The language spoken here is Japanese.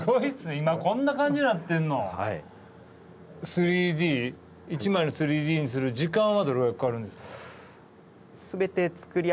３Ｄ１枚の３Ｄにする時間はどれぐらいかかるんですか？